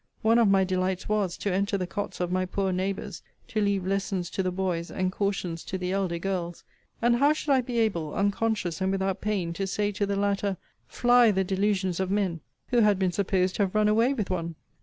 One of my delights was, to enter the cots of my poor neighbours, to leave lessons to the boys, and cautions to the elder girls: and how should I be able, unconscious, and without pain, to say to the latter, fly the delusions of men, who had been supposed to have run away with one?